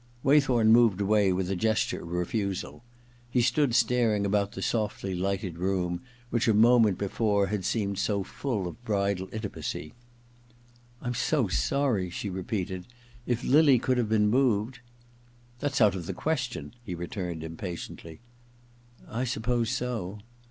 Waythorn moved away with a gesture of refusal. He stood staring about the softly lighted room, which a moment before had seemed so full of bridal intimacy. * Fm so sorry,' she repeated. * If lily could have been movwi ' •That's out of the question,' he returned impatiently. ' I suppose so.'